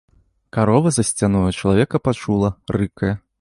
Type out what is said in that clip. Карова за сцяною чалавека пачула, рыкае.